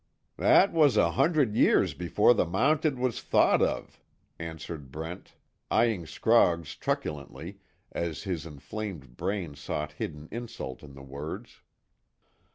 "That was a hundred years before the Mounted was thought of," answered Brent, eying Scroggs truculently, as his inflamed brain sought hidden insult in the words.